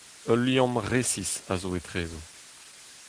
Ul liamm resis a zo etrezo.